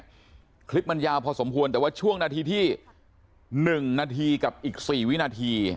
คลิปมันยาวพอสมควรแต่ว่าช่วงนาทีที่๑นาทีกับอีก๔วินาที